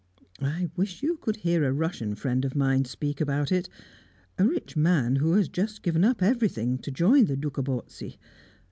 I wish you could hear a Russian friend of mine speak about it, a rich man who has just given up everything to join the Dukhobortsi.